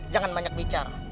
jangan banyak bicara